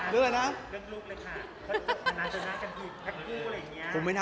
เรื่องลูกเลยค่ะ